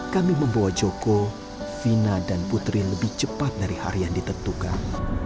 kami membawa joko vina dan putri lebih cepat dari hari yang ditentukan